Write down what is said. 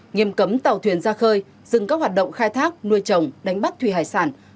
nghiêm cấm tàu thuyền ra khơi dừng các hoạt động khai thác nuôi chồng đánh bắt thùy hải sát